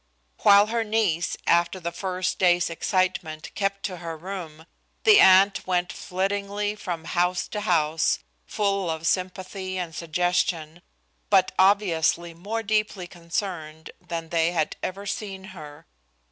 While her niece, after the first day's excitement, kept to her room, the aunt went flitting from house to house, full of sympathy and suggestion, but obviously more deeply concerned than they had ever seen her.